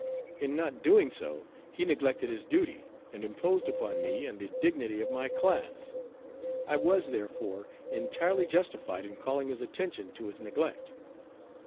In not doing so he neglected his duty and imposed upon me and the dignity of my class. I was therefore entirely justified in calling his attention to his neglect.